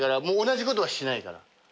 もう同じことはしないから。